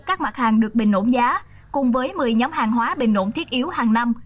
các mặt hàng được bình ổn giá cùng với một mươi nhóm hàng hóa bình ổn thiết yếu hàng năm